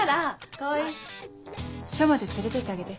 川合署まで連れて行ってあげて。